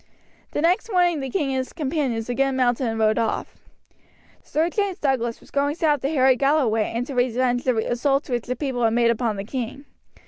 The next morning the king and his companions again mounted and rode off. Sir James Douglas was going south to harry Galloway and to revenge the assaults which the people had made upon the king.